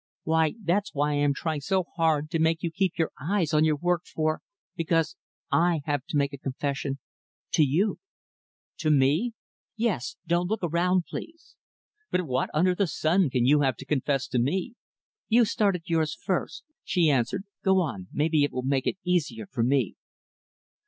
"Why, that's what I am trying so hard to make you keep your eyes on your work for because I have to make a confession to you." "To me?" "Yes don't look around, please." "But what under the sun can you have to confess to me?" "You started yours first," she answered. "Go on. Maybe it will make it easier for me."